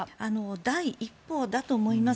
第一歩だと思います。